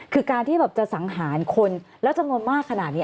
คือการที่แบบจะสังหารคนแล้วจำนวนมากขนาดนี้